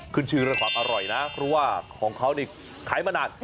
ขึ้นชื่อเรื่องความอร่อยนะเพราะว่าของเขานี่ขายมานาน